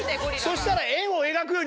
そしたら。